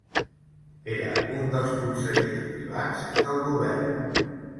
Era un dels consellers privats del Govern.